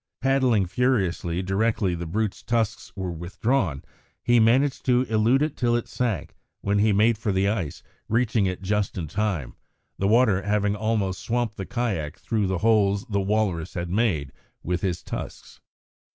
Paddling furiously directly the brute's tusks were withdrawn, he managed to elude it till it sank, when he made for the ice, reaching it just in time, the water having almost swamped the kayak through the holes the walrus had made with his tusks.